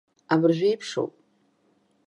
Абыржәеиԥшоуп.